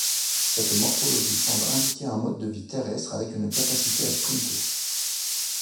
Cette morphologie semble indiquer un mode de vie terrestre avec une capacité à sprinter.